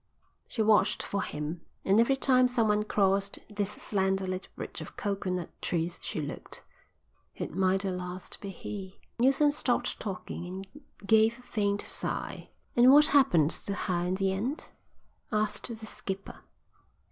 She watched for him, and every time someone crossed this slender little bridge of coconut trees she looked. It might at last be he." Neilson stopped talking and gave a faint sigh. "And what happened to her in the end?" asked the skipper.